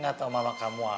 patung nasi elam